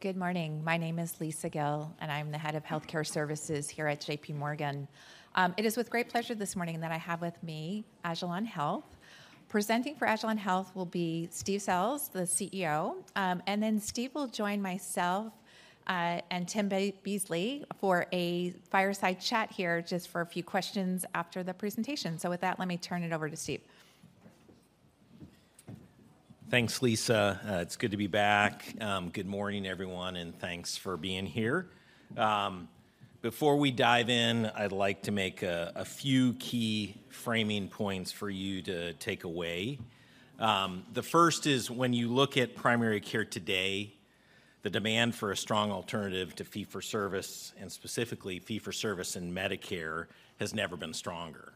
Good morning. My name is Lisa Gill, and I'm the head of Healthcare Services here at JPMorgan. It is with great pleasure this morning that I have with me, agilon health. Presenting for agilon health will be Steve Sell, the CEO. Then Steve will join myself, and Tim Bensley for a fireside chat here, just for a few questions after the presentation. With that, let me turn it over to Steve. Thanks, Lisa. It's good to be back. Good morning, everyone, and thanks for being here. Before we dive in, I'd like to make a few key framing points for you to take away. The first is, when you look at primary care today, the demand for a strong alternative to fee-for-service, and specifically fee-for-service in Medicare, has never been stronger.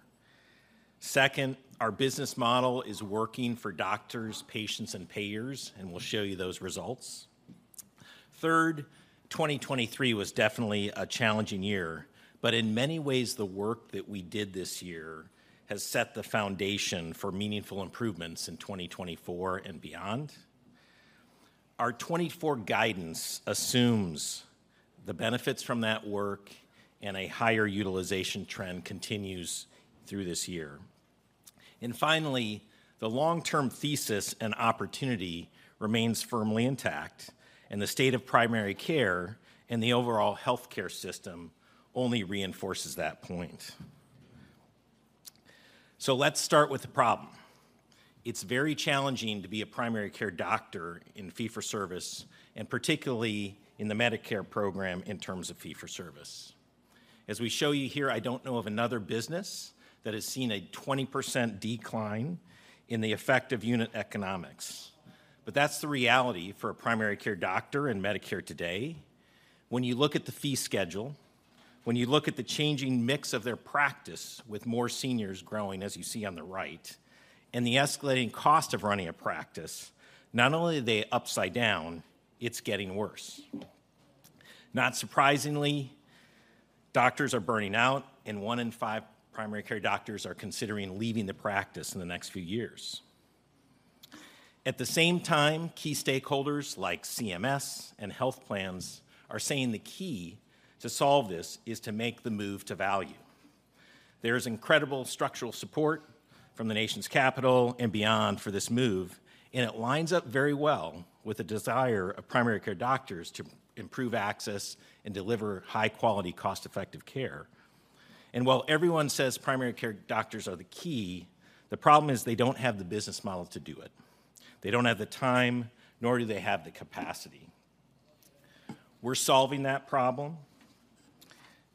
Second, our business model is working for doctors, patients, and payers, and we'll show you those results. Third, 2023 was definitely a challenging year, but in many ways, the work that we did this year has set the foundation for meaningful improvements in 2024 and beyond. Our 2024 guidance assumes the benefits from that work and a higher utilization trend continues through this year. And finally, the long-term thesis and opportunity remains firmly intact, and the state of primary care and the overall healthcare system only reinforces that point. Let's start with the problem. It's very challenging to be a primary care doctor in fee-for-service, and particularly in the Medicare program in terms of fee-for-service. As we show you here, I don't know of another business that has seen a 20% decline in the effective unit economics, but that's the reality for a primary care doctor in Medicare today. When you look at the fee schedule, when you look at the changing mix of their practice, with more seniors growing, as you see on the right, and the escalating cost of running a practice, not only are they upside down, it's getting worse. Not surprisingly, doctors are burning out, and one in five primary care doctors are considering leaving the practice in the next few years. At the same time, key stakeholders like CMS and health plans are saying the key to solve this is to make the move to value. There is incredible structural support from the nation's capital and beyond for this move, and it lines up very well with the desire of primary care doctors to improve access and deliver high-quality, cost-effective care. And while everyone says primary care doctors are the key, the problem is they don't have the business model to do it. They don't have the time, nor do they have the capacity. We're solving that problem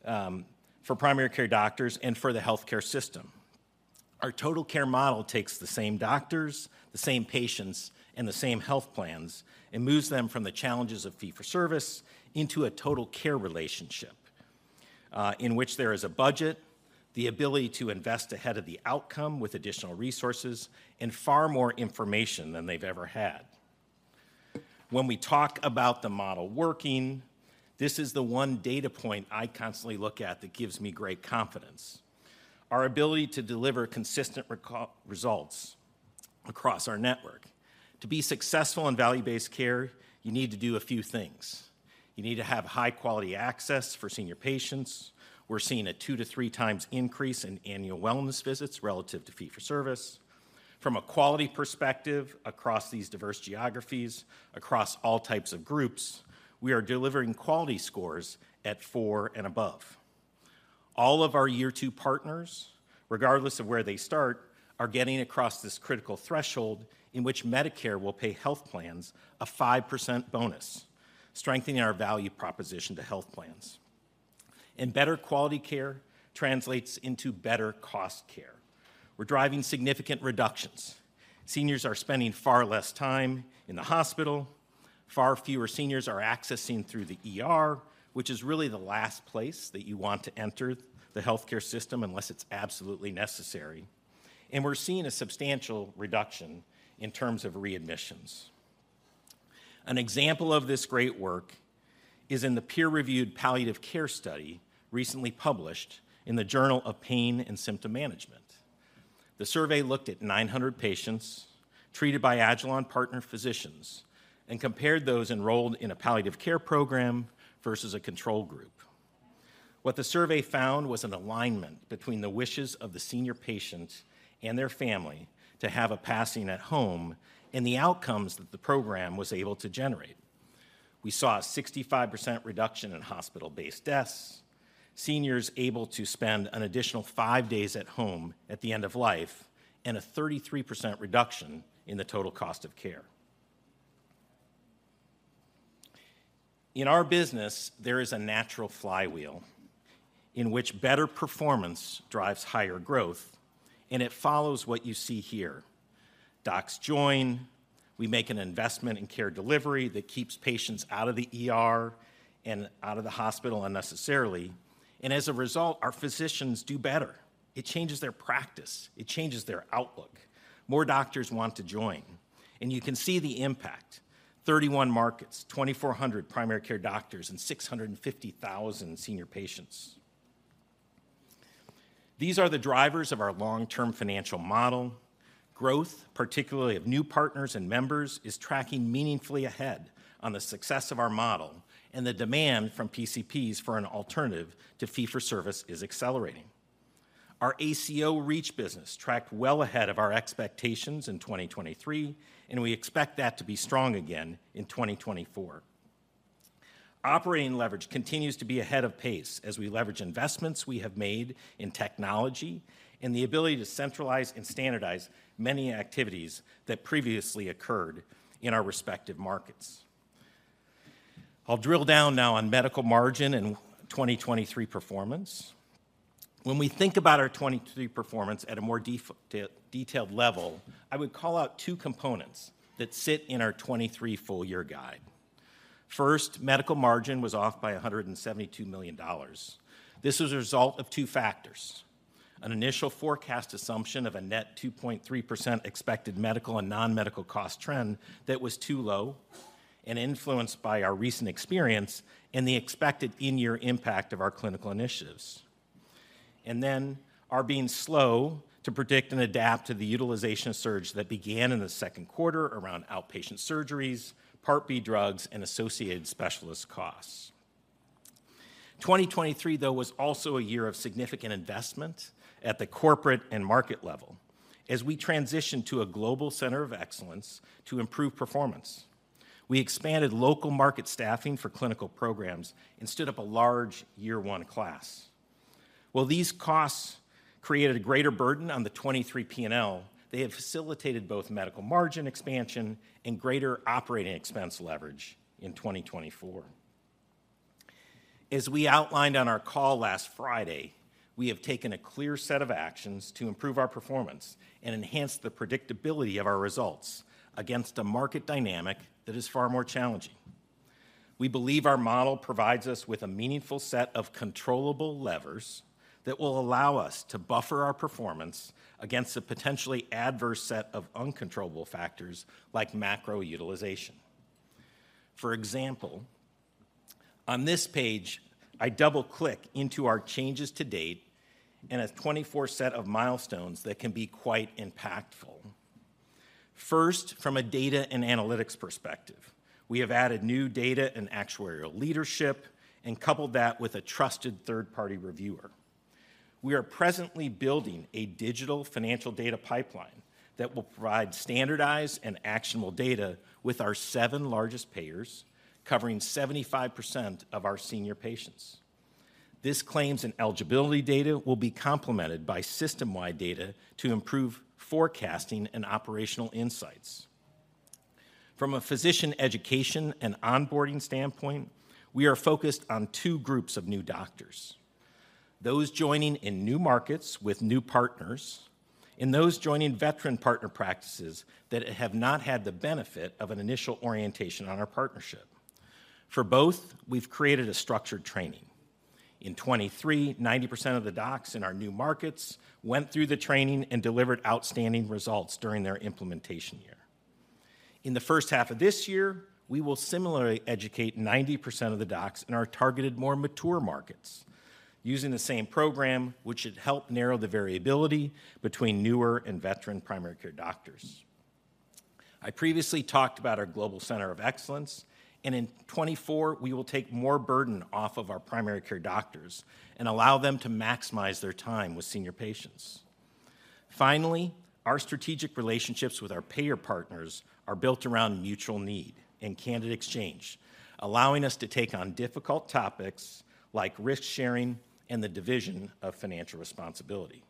for primary care doctors and for the healthcare system. Our Total Care Model takes the same doctors, the same patients, and the same health plans and moves them from the challenges of fee-for-service into a total care relationship, in which there is a budget, the ability to invest ahead of the outcome with additional resources, and far more information than they've ever had. When we talk about the model working, this is the one data point I constantly look at that gives me great confidence: our ability to deliver consistent results across our network. To be successful in Value-Based care, you need to do a few things. You need to have high-quality access for senior patients. We're seeing a 2-3 times increase in annual wellness visits relative to fee-for-service. From a quality perspective, across these diverse geographies, across all types of groups, we are delivering quality scores at four and above. All of our year two partners, regardless of where they start, are getting across this critical threshold in which Medicare will pay health plans a 5% bonus, strengthening our value proposition to health plans. Better quality care translates into better cost care. We're driving significant reductions. Seniors are spending far less time in the hospital. Far fewer seniors are accessing through the ER, which is really the last place that you want to enter the healthcare system unless it's absolutely necessary. We're seeing a substantial reduction in terms of readmissions. An example of this great work is in the peer-reviewed palliative care study recently published in the Journal of Pain and Symptom Management. The survey looked at 900 patients treated by agilon partner physicians and compared those enrolled in a palliative care program versus a control group. What the survey found was an alignment between the wishes of the senior patient and their family to have a passing at home and the outcomes that the program was able to generate. We saw a 65% reduction in hospital-based deaths, seniors able to spend an additional five days at home at the end of life, and a 33% reduction in the total cost of care. In our business, there is a natural flywheel in which better performance drives higher growth, and it follows what you see here. Docs join, we make an investment in care delivery that keeps patients out of the ER and out of the hospital unnecessarily, and as a result, our physicians do better. It changes their practice. It changes their outlook. More doctors want to join, and you can see the impact: 31 markets, 2,400 primary care doctors, and 650,000 senior patients. These are the drivers of our long-term financial model. Growth, particularly of new partners and members, is tracking meaningfully ahead on the success of our model, and the demand from PCPs for an alternative to fee-for-service is accelerating. Our ACO REACH business tracked well ahead of our expectations in 2023, and we expect that to be strong again in 2024. Operating leverage continues to be ahead of pace as we leverage investments we have made in technology and the ability to centralize and standardize many activities that previously occurred in our respective markets. I'll drill down now on Medical Margin and 2023 performance. When we think about our 2023 performance at a more detailed level, I would call out two components that sit in our 2023 full-year guide. First, Medical Margin was off by $172 million. This was a result of two factors: an initial forecast assumption of a net 2.3% expected medical and non-medical cost trend that was too low and influenced by our recent experience and the expected in-year impact of our clinical initiatives. And then our being slow to predict and adapt to the utilization surge that began in the second quarter around outpatient surgeries, Part B drugs, and associated specialist costs. 2023, though, was also a year of significant investment at the corporate and market level as we transitioned to a global center of excellence to improve performance. We expanded local market staffing for clinical programs and stood up a large year one class. While these costs created a greater burden on the 2023 P&L, they have facilitated both medical margin expansion and greater operating expense leverage in 2024. As we outlined on our call last Friday, we have taken a clear set of actions to improve our performance and enhance the predictability of our results against a market dynamic that is far more challenging. We believe our model provides us with a meaningful set of controllable levers that will allow us to buffer our performance against a potentially adverse set of uncontrollable factors, like macro utilization. For example, on this page, I double-click into our changes to date and a 2024 set of milestones that can be quite impactful. First, from a data and analytics perspective, we have added new data and actuarial leadership and coupled that with a trusted third-party reviewer. We are presently building a digital financial data pipeline that will provide standardized and actionable data with our 7 largest payers, covering 75% of our senior patients. This claims and eligibility data will be complemented by system-wide data to improve forecasting and operational insights. From a physician education and onboarding standpoint, we are focused on 2 groups of new doctors: those joining in new markets with new partners and those joining veteran partner practices that have not had the benefit of an initial orientation on our partnership. For both, we've created a structured training. In 2023, 90% of the docs in our new markets went through the training and delivered outstanding results during their implementation year. In the first half of this year, we will similarly educate 90% of the docs in our targeted, more mature markets using the same program, which should help narrow the variability between newer and veteran primary care doctors. I previously talked about our global center of excellence, and in 2024, we will take more burden off of our primary care doctors and allow them to maximize their time with senior patients. Finally, our strategic relationships with our payer partners are built around mutual need and candid exchange, allowing us to take on difficult topics like risk-sharing and the division of financial responsibility.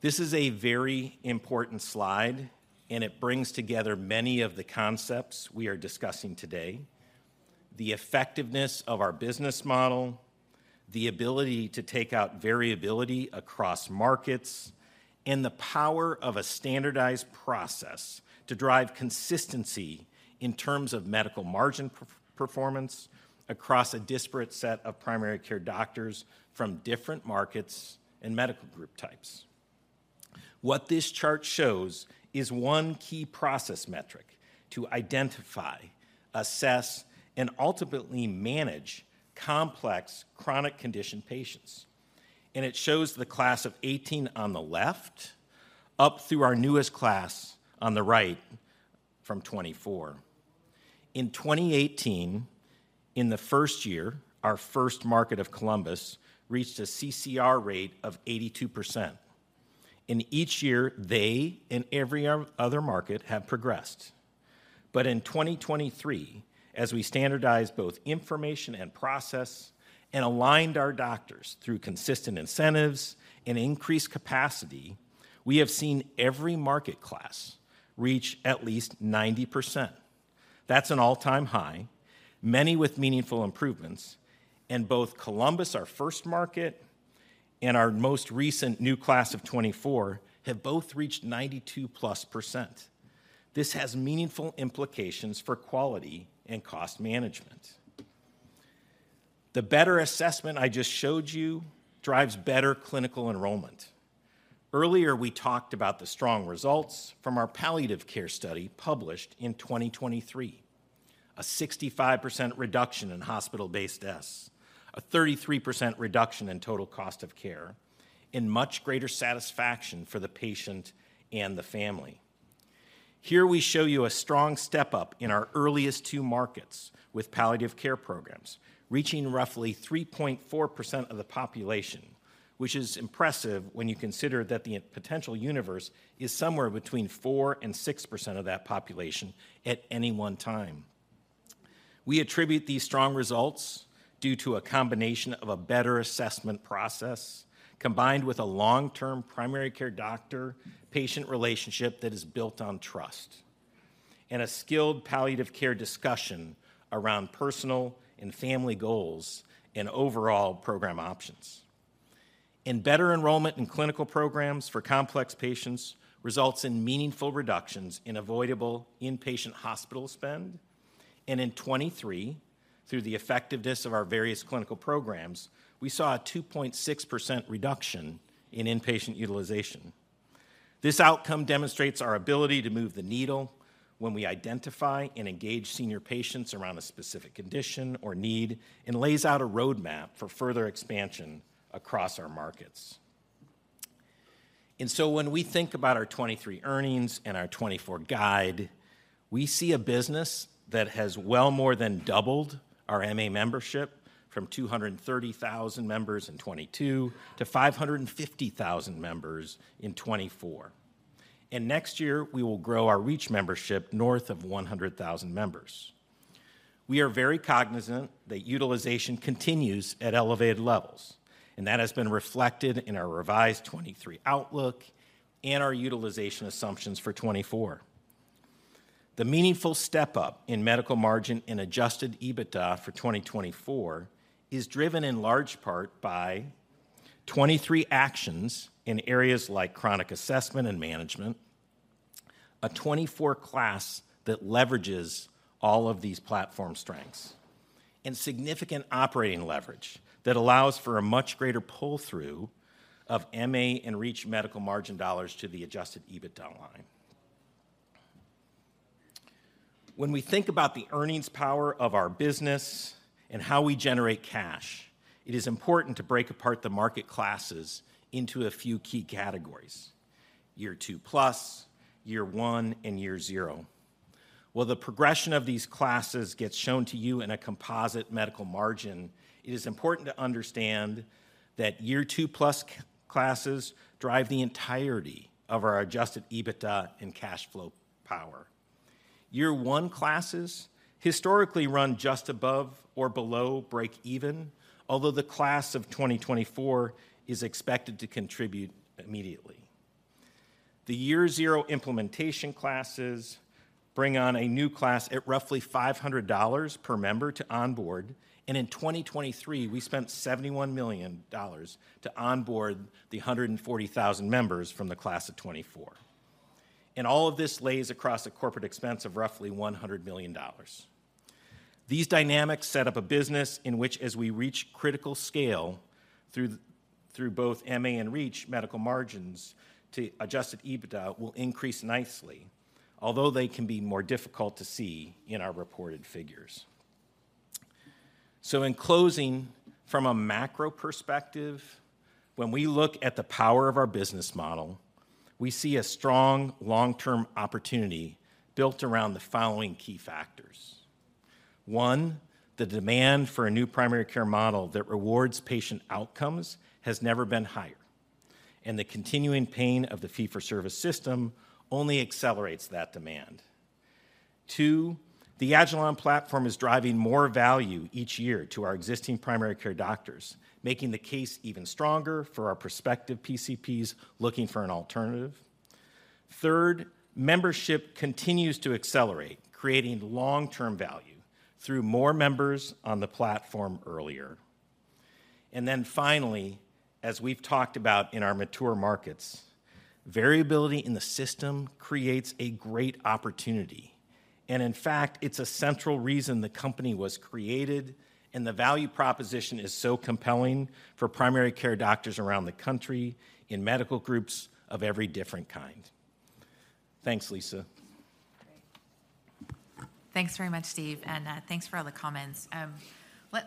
This is a very important slide, and it brings together many of the concepts we are discussing today: the effectiveness of our business model, the ability to take out variability across markets, and the power of a standardized process to drive consistency in terms of medical margin performance across a disparate set of primary care doctors from different markets and medical group types. What this chart shows is one key process metric to identify, assess, and ultimately manage complex chronic condition patients, and it shows the class of 18 on the left up through our newest class on the right from 2024. In 2018, in the first year, our first market of Columbus reached a CCR rate of 82%. In each year, they and every other market have progressed. But in 2023, as we standardized both information and process and aligned our doctors through consistent incentives and increased capacity, we have seen every market class reach at least 90%. That's an all-time high, many with meaningful improvements, and both Columbus, our first market, and our most recent new class of 2024 have both reached 92%+. This has meaningful implications for quality and cost management. The better assessment I just showed you drives better clinical enrollment. Earlier, we talked about the strong results from our palliative care study published in 2023. A 65% reduction in hospital-based deaths, a 33% reduction in total cost of care, and much greater satisfaction for the patient and the family. Here we show you a strong step-up in our earliest two markets with palliative care programs, reaching roughly 3.4% of the population, which is impressive when you consider that the potential universe is somewhere between 4% and 6% of that population at any one time. We attribute these strong results due to a combination of a better assessment process, combined with a long-term primary care doctor-patient relationship that is built on trust, and a skilled palliative care discussion around personal and family goals and overall program options. Better enrollment in clinical programs for complex patients results in meaningful reductions in avoidable inpatient hospital spend. In 2023, through the effectiveness of our various clinical programs, we saw a 2.6% reduction in inpatient utilization. This outcome demonstrates our ability to move the needle when we identify and engage senior patients around a specific condition or need, and lays out a roadmap for further expansion across our markets. So when we think about our 2023 earnings and our 2024 guide, we see a business that has well more than doubled our MA membership from 230,000 members in 2022 to 550,000 members in 2024. Next year, we will grow our reach membership north of 100,000 members. We are very cognizant that utilization continues at elevated levels, and that has been reflected in our revised 2023 outlook and our utilization assumptions for 2024. The meaningful step-up in Medical Margin and Adjusted EBITDA for 2024 is driven in large part by 2023 actions in areas like chronic assessment and management, a 2024 class that leverages all of these platform strengths, and significant operating leverage that allows for a much greater pull-through of MA and reach Medical Margin dollars to the Adjusted EBITDA line. When we think about the earnings power of our business and how we generate cash, it is important to break apart the market classes into a few key categories: Year 2+, Year 1, and Year 0. While the progression of these classes gets shown to you in a composite Medical Margin, it is important to understand that Year 2+ classes drive the entirety of our Adjusted EBITDA and cash flow power. Year one classes historically run just above or below break even, although the class of 2024 is expected to contribute immediately. The year zero implementation classes bring on a new class at roughly $500 per member to onboard, and in 2023, we spent $71 million to onboard the 140,000 members from the class of 2024. And all of this lays across a corporate expense of roughly $100 million. These dynamics set up a business in which as we reach critical scale through both MA and Reach, medical margins to Adjusted EBITDA will increase nicely, although they can be more difficult to see in our reported figures. So in closing, from a macro perspective, when we look at the power of our business model, we see a strong long-term opportunity built around the following key factors. One, the demand for a new primary care model that rewards patient outcomes has never been higher, and the continuing pain of the fee-for-service system only accelerates that demand. Two, the agilon platform is driving more value each year to our existing primary care doctors, making the case even stronger for our prospective PCPs looking for an alternative. Third, membership continues to accelerate, creating long-term value through more members on the platform earlier. And then finally, as we've talked about in our mature markets, variability in the system creates a great opportunity. And in fact, it's a central reason the company was created, and the value proposition is so compelling for primary care doctors around the country in medical groups of every different kind. Thanks, Lisa. Thanks very much, Steve, and thanks for all the comments.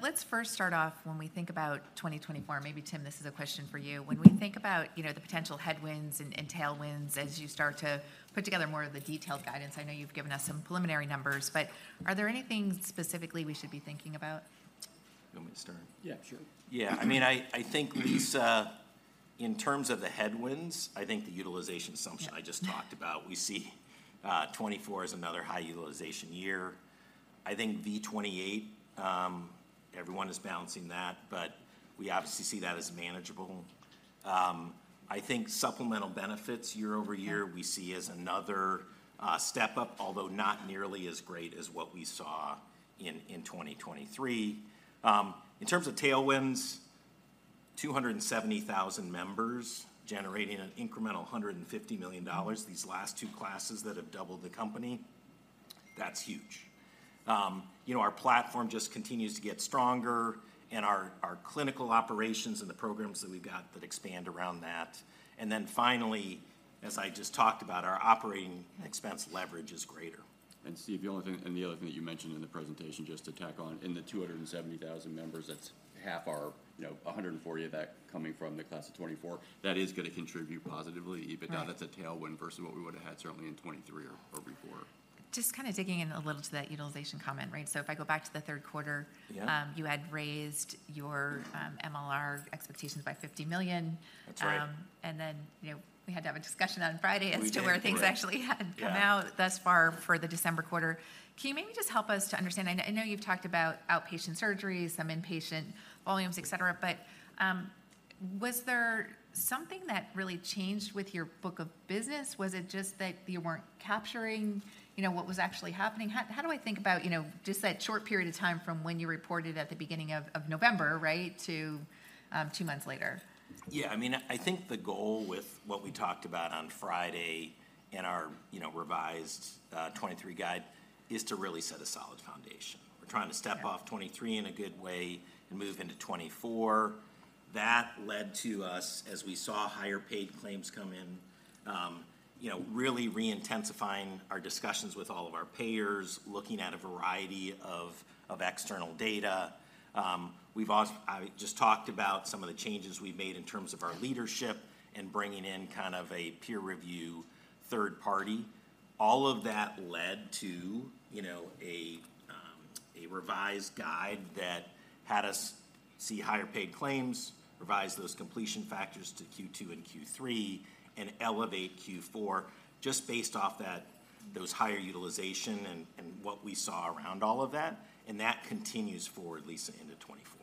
Let's first start off when we think about 2024. Maybe, Tim, this is a question for you. When we think about, you know, the potential headwinds and tailwinds as you start to put together more of the detailed guidance, I know you've given us some preliminary numbers, but are there anything specifically we should be thinking about? You want me to start? Yeah, sure. Yeah. I mean, I think, Lisa, in terms of the headwinds, I think the utilization assumption- Yeah... I just talked about, we see 2024 as another high utilization year. I think V28, everyone is balancing that, but we obviously see that as manageable. I think supplemental benefits year over year we see as another step-up, although not nearly as great as what we saw in 2023. In terms of tailwinds, 270,000 members generating an incremental $150 million, these last two classes that have doubled the company. That's huge. You know, our platform just continues to get stronger, and our clinical operations and the programs that we've got that expand around that. And then finally, as I just talked about, our operating expense leverage is greater. And Steve, the only thing, and the other thing that you mentioned in the presentation, just to tack on, in the 270,000 members, that's half our, you know, 140 of that coming from the class of 2024, that is gonna contribute positively. Right. Even though that's a tailwind versus what we would've had certainly in 2023 or before. Just kind of digging in a little to that utilization comment, right? So if I go back to the third quarter- Yeah. You had raised your MLR expectations by $50 million. That's right. And then, you know, we had to have a discussion on Friday- We did. as to where things actually had Yeah... come out thus far for the December quarter. Can you maybe just help us to understand? I know you've talked about outpatient surgeries, some inpatient volumes, et cetera, et cetera, but was there something that really changed with your book of business? Was it just that you weren't capturing, you know, what was actually happening? How do I think about, you know, just that short period of time from when you reported at the beginning of November, right, to two months later? Yeah. I mean, I think the goal with what we talked about on Friday in our, you know, revised 2023 guide, is to really set a solid foundation. Yeah. We're trying to step off 2023 in a good way and move into 2024. That led to us, as we saw higher paid claims come in, you know, really re-intensifying our discussions with all of our payers, looking at a variety of, of external data. I just talked about some of the changes we've made in terms of our leadership and bringing in kind of a peer review, third party. All of that led to, you know, a revised guide that had us see higher paid claims, revise those completion factors to Q2 and Q3, and elevate Q4 just based off that- those higher utilization and, and what we saw around all of that, and that continues forward, Lisa, into 2024.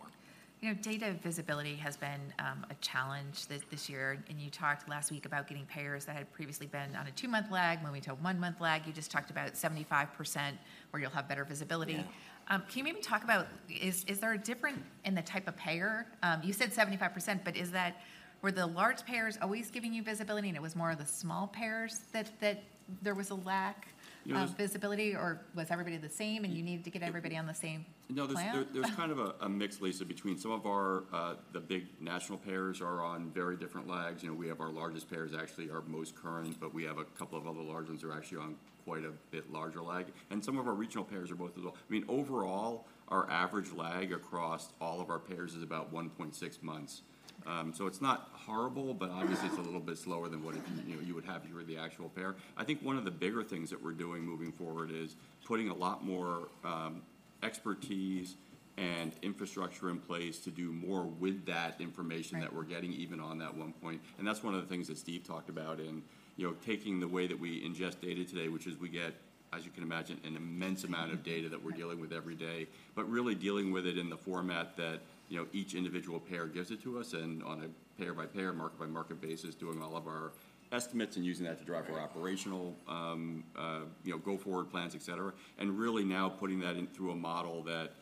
You know, data visibility has been a challenge this, this year, and you talked last week about getting payers that had previously been on a two-month lag, moving to a one-month lag. You just talked about 75%, where you'll have better visibility. Yeah. Can you maybe talk about, is there a difference in the type of payer? You said 75%, but is that... Were the large payers always giving you visibility, and it was more of the small payers that there was a lack- It was- of visibility? Or was everybody the same, and you needed to get everybody on the same- No -plan?... There, there's kind of a, a mix, Lisa, between some of our, the big national payers are on very different lags. You know, we have our largest payers actually are most current, but we have a couple of other large ones that are actually on quite a bit larger lag, and some of our regional payers are both as well. I mean, overall, our average lag across all of our payers is about 1.6 months. So it's not horrible, but obviously it's a little bit slower than what if, you know, you would have if you were the actual payer. I think one of the bigger things that we're doing moving forward is putting a lot more expertise and infrastructure in place to do more with that information- Right... that we're getting, even on that one point, and that's one of the things that Steve talked about in, you know, taking the way that we ingest data today, which is we get, as you can imagine, an immense amount of data that we're dealing with every day. But really dealing with it in the format that, you know, each individual payer gives it to us, and on a payer-by-payer, market-by-market basis, doing all of our estimates and using that to drive our operational, - Right... you know, go-forward plans, et cetera. And really now putting that in through a model that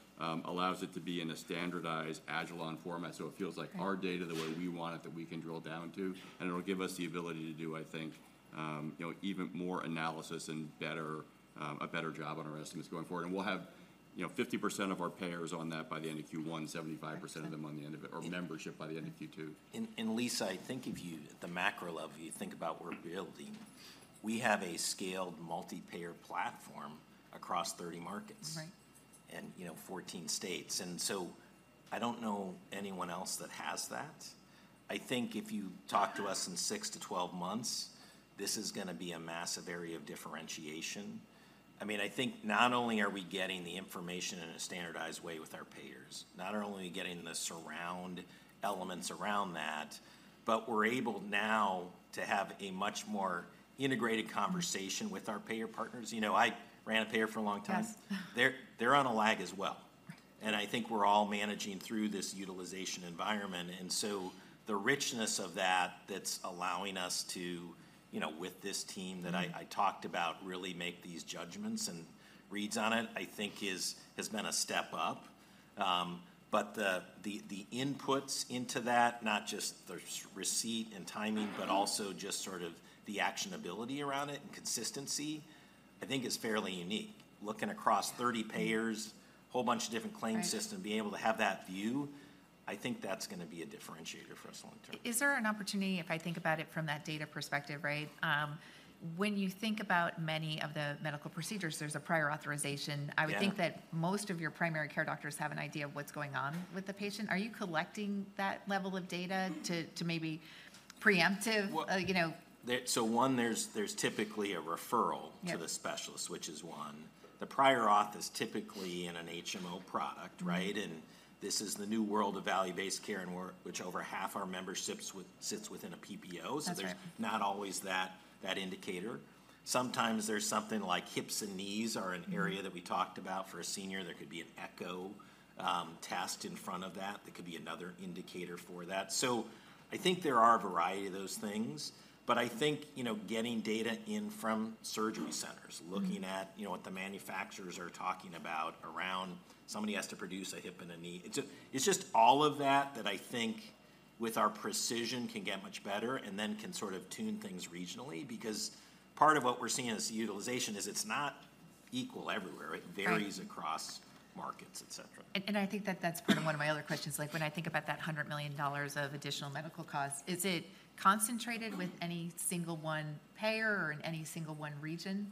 allows it to be in a standardized agilon format, so it feels like- Right... our data, the way we want it, that we can drill down to. And it'll give us the ability to do, I think, you know, even more analysis and better, a better job on our estimates going forward. And we'll have, you know, 50% of our payers on that by the end of Q1, 75%- Right... of them on the end of it, or membership by the end of Q2. Lisa, I think if you, at the macro level, you think about we're building, we have a scaled multi-payer platform across 30 markets- Right... and, you know, 14 states, and so I don't know anyone else that has that. I think if you talk to us in 6-12 months, this is gonna be a massive area of differentiation. I mean, I think not only are we getting the information in a standardized way with our payers, not only getting the surround elements around that, but we're able now to have a much more integrated conversation with our payer partners. You know, I ran a payer for a long time. Yes. They're on a lag as well. Right. And I think we're all managing through this utilization environment, and so the richness of that, that's allowing us to, you know, with this team that I- Mm... I talked about, really make these judgments and reads on it, I think is, has been a step up. But the inputs into that, not just the receipt and timing, but also just sort of the actionability around it and consistency, I think is fairly unique. Looking across 30 payers- Mm... a whole bunch of different claims systems- Right... being able to have that view, I think that's gonna be a differentiator for us long term. Is there an opportunity, if I think about it from that data perspective, right? When you think about many of the medical procedures, there's a prior authorization. Yeah. I would think that most of your primary care doctors have an idea of what's going on with the patient. Are you collecting that level of data to maybe preemptive- Well-... you know? So one, there's typically a referral- Yep... to the specialist, which is one. The prior auth is typically in an HMO product, right? Mm-hmm. And this is the new world of Value-Based Care, and we're, which over half our memberships with, sits within a PPO. That's right. There's not always that indicator. Sometimes there's something like hips and knees are an area- Mm... that we talked about. For a senior, there could be an echo test in front of that. There could be another indicator for that. So I think there are a variety of those things, but I think, you know, getting data in from surgery centers- Mm... looking at, you know, what the manufacturers are talking about around, somebody has to produce a hip and a knee. It's just, it's just all of that, that I think... with our precision can get much better, and then can sort of tune things regionally. Because part of what we're seeing as utilization is it's not equal everywhere. Right. It varies across markets, et cetera. And I think that that's part of one of my other questions. Like, when I think about that $100 million of additional medical costs, is it concentrated with any single one payer or in any single one region?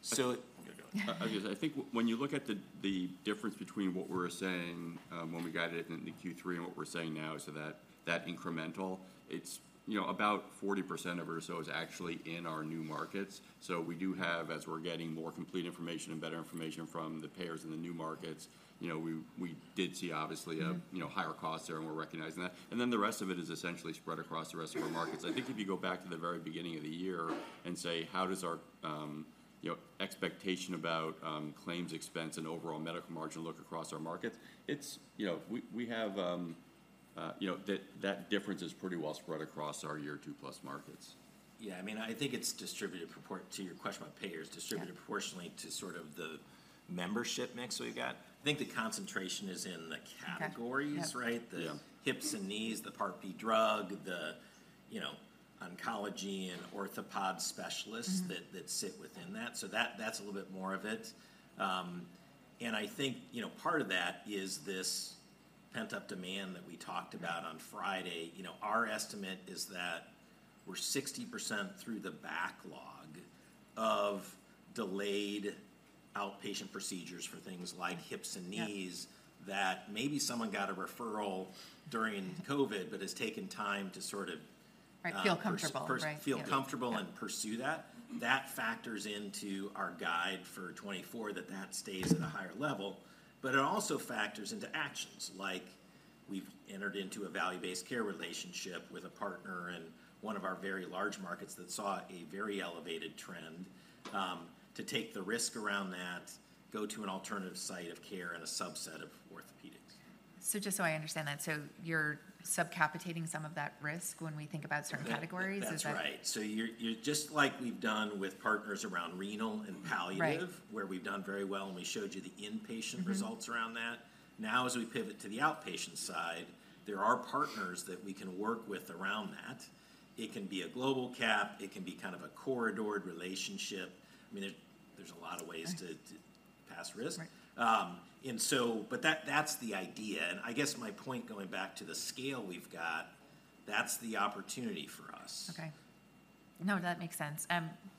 So- You got it.... Okay, so I think when you look at the, the difference between what we were saying when we guided it in the Q3 and what we're saying now, so that, that incremental, it's, you know, about 40% of it or so is actually in our new markets. So we do have, as we're getting more complete information and better information from the payers in the new markets, you know, we did see obviously a- Mm... you know, higher costs there, and we're recognizing that. And then the rest of it is essentially spread across the rest of our markets. I think if you go back to the very beginning of the year and say: "How does our, you know, expectation about, claims expense and overall medical margin look across our markets?" It's, you know, we have, you know, that difference is pretty well spread across our year two-plus markets. Yeah, I mean, I think it's distributed propor- to your question about payers- Yeah... distributed proportionally to sort of the membership mix we've got. I think the concentration is in the categories- Okay. Yep... right? Yeah. The hips and knees, the Part B drug, the, you know, oncology and orthopod specialists- Mm-hmm... that sit within that. That's a little bit more of it. And I think, you know, part of that is this pent-up demand that we talked about on Friday. You know, our estimate is that we're 60% through the backlog of delayed outpatient procedures for things like hips and knees- Yep... that maybe someone got a referral during COVID, but has taken time to sort of, Right, feel comfortable, right.... feel comfortable- Yeah... and pursue that. That factors into our guide for 2024, that that stays at a higher level. But it also factors into actions, like we've entered into a Value-Based Care relationship with a partner in one of our very large markets that saw a very elevated trend to take the risk around that, go to an alternative site of care, and a subset of orthopaedics. So just so I understand that, so you're subcapitating some of that risk when we think about certain categories? Is that- That's right. So you're just like we've done with partners around renal and palliative- Right... where we've done very well, and we showed you the inpatient results- Mm-hmm... around that. Now, as we pivot to the outpatient side, there are partners that we can work with around that. It can be a global cap. It can be kind of a corridor relationship. I mean, there's a lot of ways- Right... to pass risk. Right. And so, but that, that's the idea. And I guess my point, going back to the scale we've got, that's the opportunity for us. Okay. No, that makes sense.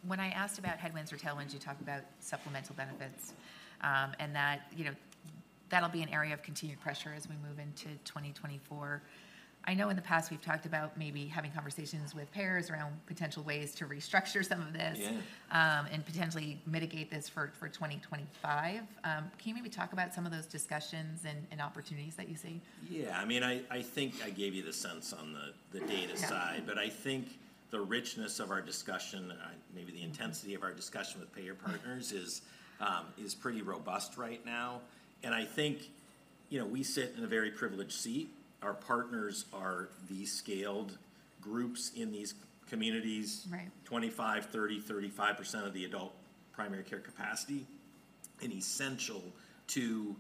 When I asked about headwinds or tailwinds, you talked about supplemental benefits, and that, you know, that'll be an area of continued pressure as we move into 2024. I know in the past we've talked about maybe having conversations with payers around potential ways to restructure some of this- Yeah... and potentially mitigate this for 2025. Can you maybe talk about some of those discussions and opportunities that you see? Yeah. I mean, I think I gave you the sense on the data side. Yeah. But I think the richness of our discussion, maybe the intensity of our discussion with payer partners- Mm-hmm... is, is pretty robust right now, and I think, you know, we sit in a very privileged seat. Our partners are the scaled groups in these communities. Right. 25, 30, 35% of the adult primary care capacity and essential to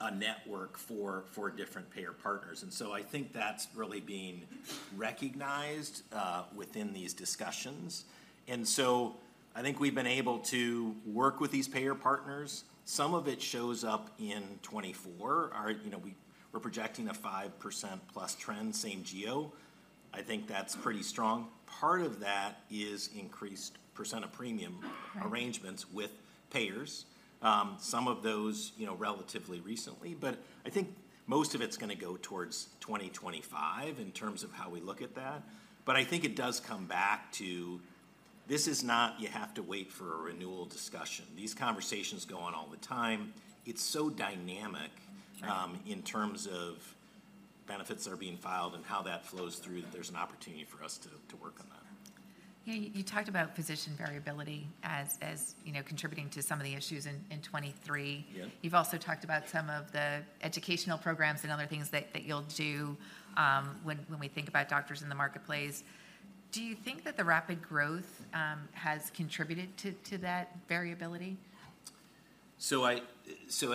a network for different payer partners, and so I think that's really being recognized within these discussions. And so I think we've been able to work with these payer partners. Some of it shows up in 2024. Our, you know, we're projecting a 5%+ trend, same geo. I think that's pretty strong. Part of that is increased percent of premium- Right... arrangements with payers, some of those, you know, relatively recently, but I think most of it's going to go towards 2025 in terms of how we look at that. But I think it does come back to, this is not you have to wait for a renewal discussion. These conversations go on all the time. It's so dynamic- Right ... in terms of benefits that are being filed and how that flows through, that there's an opportunity for us to work on that. Yeah, you talked about physician variability as you know, contributing to some of the issues in 2023. Yeah. You've also talked about some of the educational programs and other things that you'll do, when we think about doctors in the marketplace. Do you think that the rapid growth has contributed to that variability? So I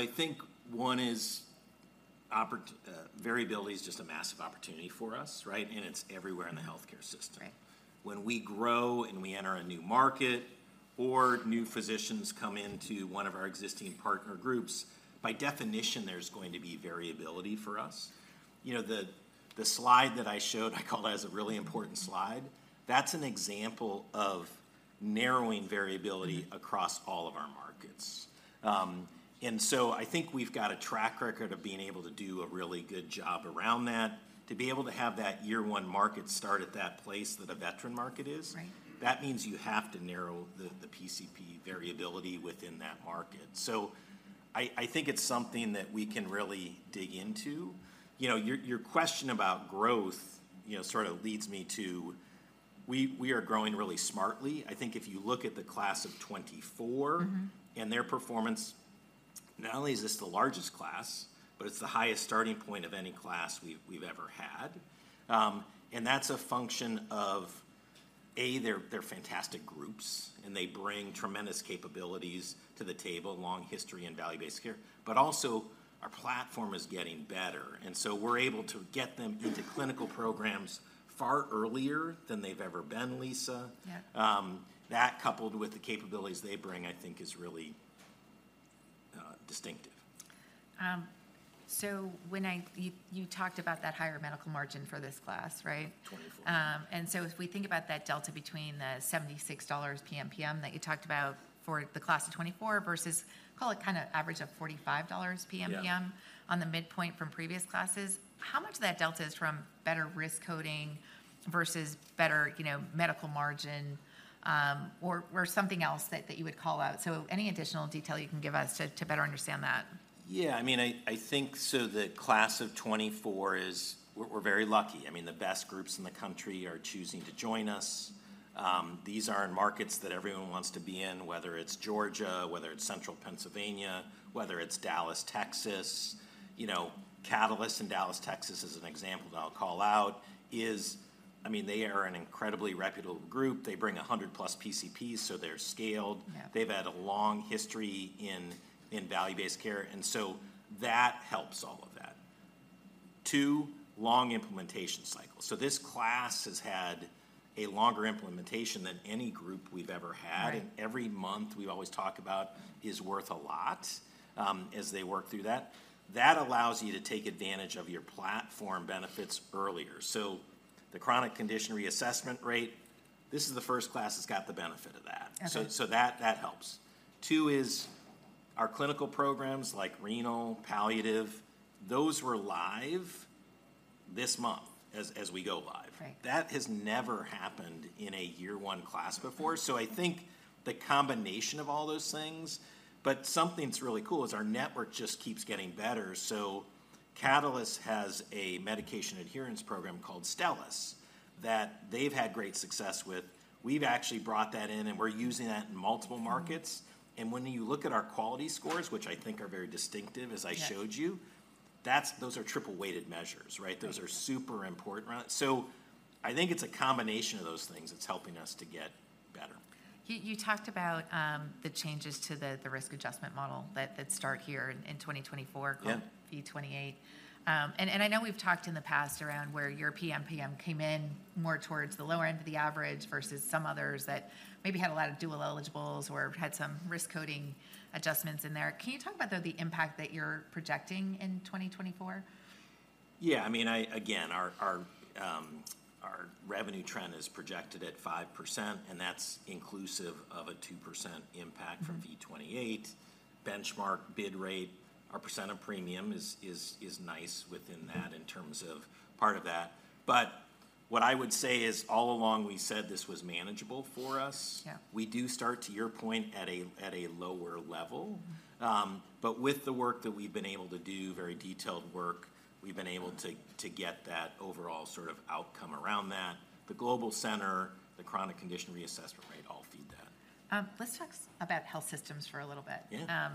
think one is opportunity, variability is just a massive opportunity for us, right? And it's everywhere in the healthcare system. Right. When we grow and we enter a new market, or new physicians come into one of our existing partner groups, by definition, there's going to be variability for us. You know, the slide that I showed, I call that as a really important slide. That's an example of narrowing variability. Mm-hmm... across all of our markets. So I think we've got a track record of being able to do a really good job around that. To be able to have that year one market start at that place that a veteran market is- Right... that means you have to narrow the PCP variability within that market. So I think it's something that we can really dig into. You know, your question about growth, you know, sort of leads me to, we are growing really smartly. I think if you look at the class of 2024- Mm-hmm... and their performance, not only is this the largest class, but it's the highest starting point of any class we've ever had. And that's a function of a, they're fantastic groups, and they bring tremendous capabilities to the table, long history in Value-Based Care. But also, our platform is getting better, and so we're able to get them into clinical programs far earlier than they've ever been, Lisa. Yeah. That, coupled with the capabilities they bring, I think is really distinctive. So when you talked about that higher Medical Margin for this class, right? Twenty-four. and so if we think about that delta between the $76 PMPM that you talked about for the class of 2024 versus, call it, kind of average of $45 PMPM- Yeah On the midpoint from previous classes, how much of that delta is from better risk coding versus better, you know, medical margin, or something else that you would call out? So any additional detail you can give us to better understand that. Yeah, I mean, I think so the class of 2024 is... We're very lucky. I mean, the best groups in the country are choosing to join us. These are in markets that everyone wants to be in, whether it's Georgia, whether it's Central Pennsylvania, whether it's Dallas, Texas. You know, Catalyst in Dallas, Texas, is an example that I'll call out. I mean, they are an incredibly reputable group. They bring 100-plus PCPs, so they're scaled. Yeah. They've had a long history in value-based care, and so that helps all of that. Two, long implementation cycles. So this class has had a longer implementation than any group we've ever had. Right. Every month, we always talk about is worth a lot as they work through that. That allows you to take advantage of your platform benefits earlier. So the Chronic Condition Reassessment Rate, this is the first class that's got the benefit of that. Okay. So that helps. Two is our clinical programs like renal, palliative, those were live this month as we go live. Right. That has never happened in a year one class before. So I think the combination of all those things, but something that's really cool is our network just keeps getting better. So Catalyst has a medication adherence program called Stellus that they've had great success with. We've actually brought that in, and we're using that in multiple markets. Mm-hmm. When you look at our quality scores, which I think are very distinctive, as I showed you. Yes... that's, those are triple-weighted measures, right? Right. Those are super important around it. I think it's a combination of those things that's helping us to get better. You talked about the changes to the risk adjustment model that start here in 2024- Yeah called V28. And I know we've talked in the past around where your PMPM came in more towards the lower end of the average versus some others that maybe had a lot of dual eligibles or had some risk coding adjustments in there. Can you talk about, though, the impact that you're projecting in 2024? Yeah, I mean, again, our revenue trend is projected at 5%, and that's inclusive of a 2% impact- Mm From V28. Benchmark bid rate, our percent of premium is nice within that in terms of part of that. But what I would say is, all along, we said this was manageable for us. Yeah. We do start, to your point, at a lower level. Mm-hmm. But with the work that we've been able to do, very detailed work, we've been able to get that overall sort of outcome around that. The global cap, the chronic condition reassessment rate, all feed that. Let's talk about health systems for a little bit. Yeah.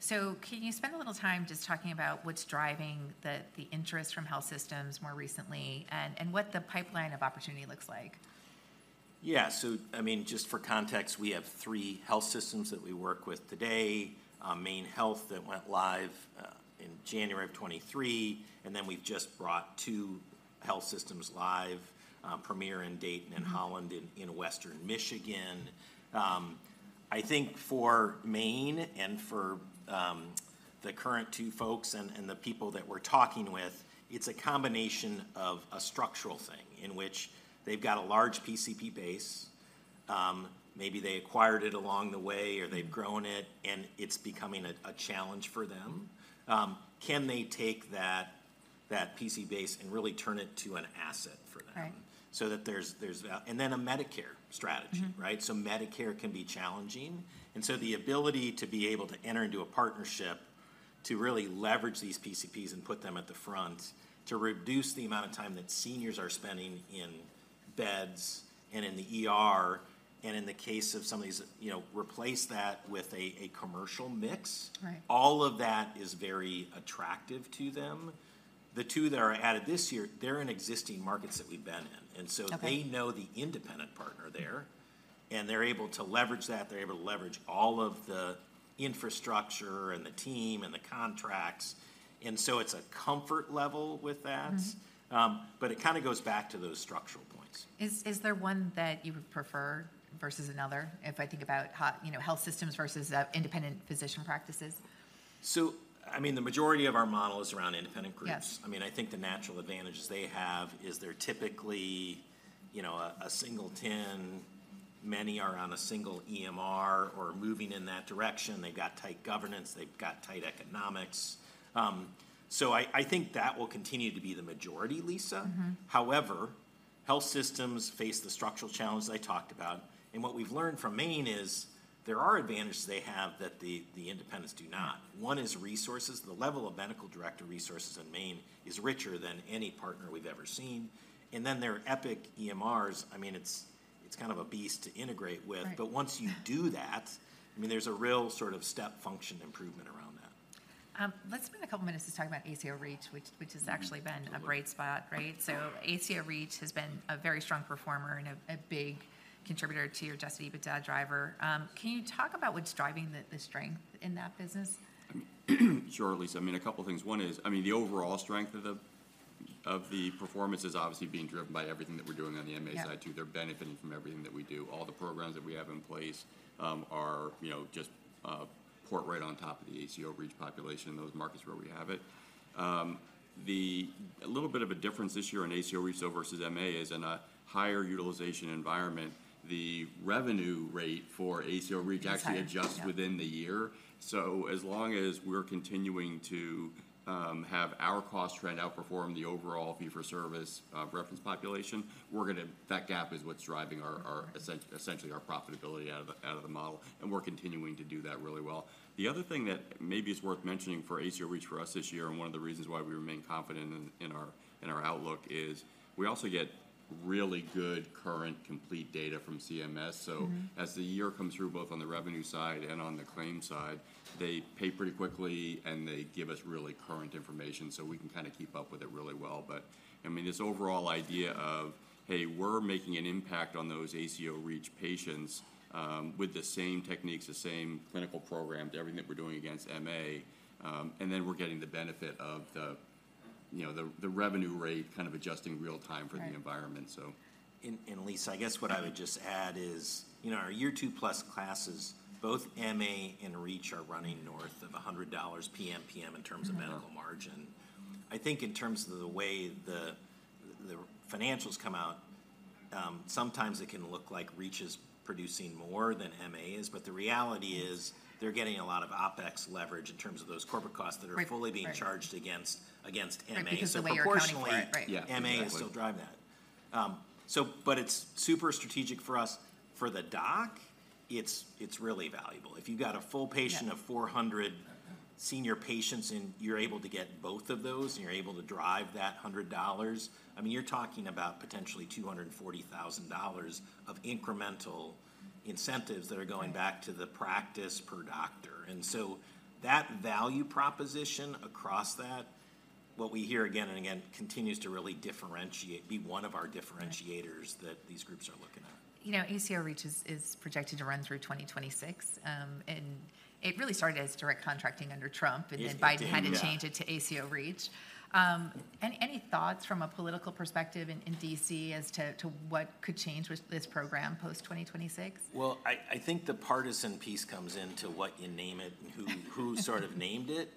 So, can you spend a little time just talking about what's driving the interest from health systems more recently and what the pipeline of opportunity looks like? Yeah. So, I mean, just for context, we have three health systems that we work with today: MaineHealth, that went live in January of 2023, and then we've just brought two health systems live, Premier in Dayton- Mm-hmm... and Holland in western Michigan. I think for Maine and for the current two folks and the people that we're talking with, it's a combination of a structural thing in which they've got a large PCP base. Maybe they acquired it along the way, or they've grown it, and it's becoming a challenge for them. Can they take that PCP base and really turn it to an asset for them? Right. So that there's and then a Medicare strategy- Mm-hmm... right? So Medicare can be challenging, and so the ability to be able to enter into a partnership to really leverage these PCPs and put them at the front, to reduce the amount of time that seniors are spending in beds and in the ER, and in the case of some of these, you know, replace that with a commercial mix- Right... all of that is very attractive to them. The two that are added this year, they're in existing markets that we've been in, and so- Okay... they know the independent partner there, and they're able to leverage that. They're able to leverage all of the infrastructure and the team and the contracts, and so it's a comfort level with that. Mm-hmm. But it kind of goes back to those structural points. Is there one that you would prefer versus another? If I think about you know, health systems versus independent physician practices. I mean, the majority of our model is around independent groups. Yeah. I mean, I think the natural advantages they have is they're typically, you know, a single tenant. Many are on a single EMR or moving in that direction. They've got tight governance. They've got tight economics. So I think that will continue to be the majority, Lisa. Mm-hmm. However, health systems face the structural challenges I talked about, and what we've learned from Maine is there are advantages they have that the independents do not. One is resources. The level of medical director resources in Maine is richer than any partner we've ever seen, and then their Epic EMRs, I mean, it's kind of a beast to integrate with. Right. Once you do that, I mean, there's a real sort of step function improvement around that.... Let's spend a couple minutes to talk about ACO REACH, which has actually been a bright spot, right? So ACO REACH has been a very strong performer and a big contributor to your adjusted EBITDA driver. Can you talk about what's driving the strength in that business? Sure, Lisa. I mean, a couple things. One is, I mean, the overall strength of the performance is obviously being driven by everything that we're doing on the MA side, too. Yeah. They're benefiting from everything that we do. All the programs that we have in place, you know, just pour right on top of the ACO REACH population in those markets where we have it. A little bit of a difference this year in ACO REACH though versus MA is in a higher utilization environment, the revenue rate for ACO REACH- Right, yeah... actually adjusts within the year. So as long as we're continuing to have our cost trend outperform the overall fee-for-service reference population, we're gonna—that gap is what's driving essentially our profitability out of the model, and we're continuing to do that really well. The other thing that maybe is worth mentioning for ACO REACH for us this year, and one of the reasons why we remain confident in our outlook, is we also get really good current, complete data from CMS. Mm-hmm. So as the year comes through, both on the revenue side and on the claims side, they pay pretty quickly, and they give us really current information, so we can kinda keep up with it really well. But, I mean, this overall idea of, hey, we're making an impact on those ACO REACH patients, with the same techniques, the same clinical program, everything that we're doing against MA, and then we're getting the benefit of the, you know, the, the revenue rate kind of adjusting real time- Right... for the environment, so. Lisa, I guess what I would just add is, you know, our year-two-plus classes, both MA and REACH, are running north of $100 PMPM in terms of medical margin. Mm-hmm. I think in terms of the way the financials come out, sometimes it can look like REACH is producing more than MA is. But the reality is- Mm... they're getting a lot of OpEx leverage in terms of those corporate costs that are- Right, right... fully being charged against MA. Right, because of the way you're accounting for it. So proportionally- Yeah, exactly... MA will still drive that. So but it's super strategic for us. For the doc, it's really valuable. If you've got a full patient- Yeah... of 400 senior patients, and you're able to get both of those, and you're able to drive that $100, I mean, you're talking about potentially $240,000 of incremental incentives that are going back- Right... to the practice per doctor. And so that value proposition across that, what we hear again and again, continues to really differentiate - be one of our differentiators - Right... that these groups are looking at. You know, ACO REACH is projected to run through 2026. It really started as Direct ontracting under Trump- It did, yeah.... and then Biden had to change it to ACO REACH. Any thoughts from a political perspective in D.C. as to what could change with this program post-2026? Well, I think the partisan piece comes into what you name it and who sort of named it.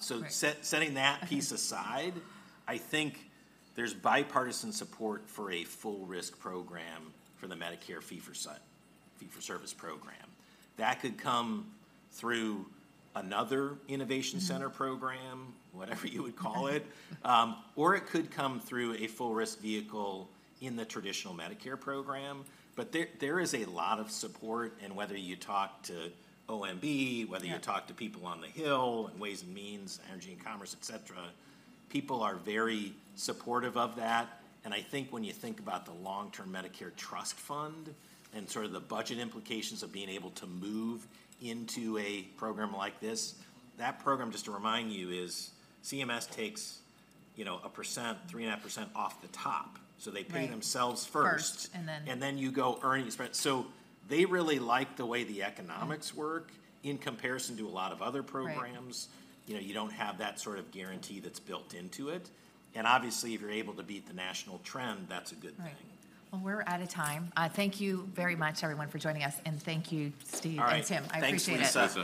So- Right... setting that piece aside, I think there's bipartisan support for a full-risk program for the Medicare fee-for-service program. That could come through another innovation center program- Mm... whatever you would call it. Or it could come through a full-risk vehicle in the traditional Medicare program. But there is a lot of support, and whether you talk to OMB- Yeah... whether you talk to people on the Hill, in Ways and Means, Energy and Commerce, et cetera, people are very supportive of that. And I think when you think about the long-term Medicare trust fund and sort of the budget implications of being able to move into a program like this, that program, just to remind you, is CMS takes, you know, a percent, 3.5% off the top. Right. They pay themselves first. First, and then- And then you go earning... So they really like the way the economics work- Right... in comparison to a lot of other programs. Right. You know, you don't have that sort of guarantee that's built into it. Obviously, if you're able to beat the national trend, that's a good thing. Right. Well, we're out of time. Thank you very much, everyone, for joining us. And thank you, Steve- All right... and Tim. I appreciate it. Thanks, Lisa.